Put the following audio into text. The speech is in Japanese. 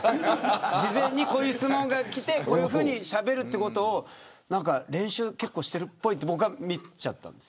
事前に、こういう質問がきてこういうふうにしゃべるということを練習しているっぽいと僕は見ちゃったんですね。